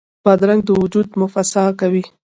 بادرنګ د وجود مصفا کوي.